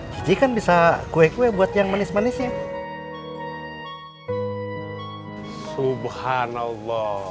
cici kan bisa kue kue buat yang manis manisnya